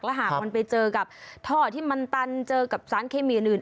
หากมันไปเจอกับท่อที่มันตันเจอกับสารเคมีอื่น